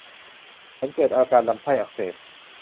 ฉันเกิดอาการลำไส้อักเสบ